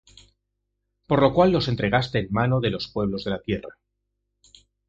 por lo cual los entregaste en mano de los pueblos de la tierra.